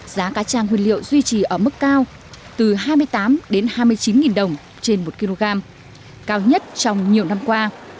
giá cá cha nguyên liệu duy trì ở mức cao từ hai mươi tám hai mươi chín đồng trên một kg cao nhất trong nhiều năm qua